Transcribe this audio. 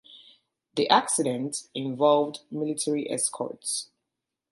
The accident involved military escorts.